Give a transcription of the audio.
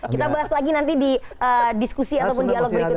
kita bahas lagi nanti di diskusi ataupun dialog berikutnya